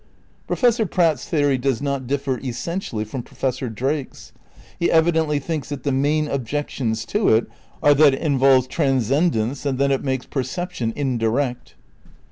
Professor Pratt's theory does not differ essentially from Professor Drake's. He evidently thinks that the main objections to it are that it involves transcend ence and that it makes perception indirect.